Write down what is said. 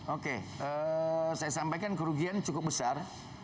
oke saya sampaikan kerugian cukup besar